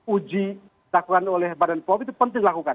uji dilakukan oleh badan pom itu penting dilakukan